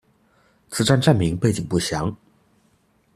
此站站名背景不详。